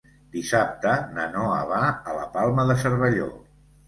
Dissabte na Noa va a la Palma de Cervelló.